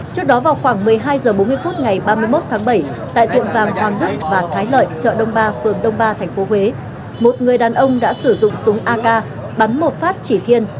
trước đó vào khoảng một mươi hai h bốn mươi phút ngày ba mươi một tháng bảy tại tiệm vàng hoàng đức và thái lợi chợ đông ba phường đông ba tp huế một người đàn ông đã sử dụng súng ak bắn một phát chỉ thiên